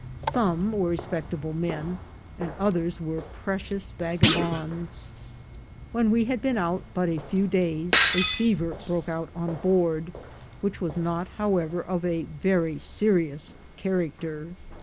Some were respectable men, and others were precious vagabonds. When we had been out but a few days, a fever broke out on board, which was not, however, of a very serious character.